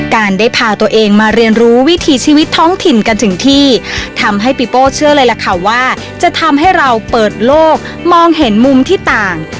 การได้พาตัวเองมาเรียนรู้วิถีชีวิตท้องถิ่นกันถึงที่ทำให้ปีโป้เชื่อเลยล่ะค่ะว่าจะทำให้เราเปิดโลกมองเห็นมุมที่ต่าง